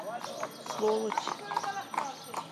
— Сволочь!